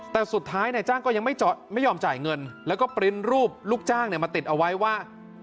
แต่สุดท้ายนายจ้างก็ยังไม่ยอมจ่ายเงินแล้วก็ปริ้นต์รูปลูกจ้างมาติดเอาไว้ว่า